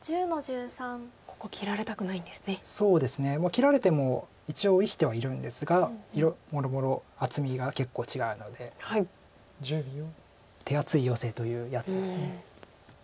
切られても一応生きてはいるんですがもろもろ厚みが結構違うので手厚いヨセというやつです。